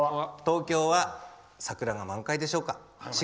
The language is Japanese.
東京は桜が満開でしょうか。